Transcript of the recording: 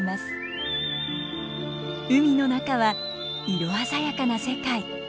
海の中は色鮮やかな世界。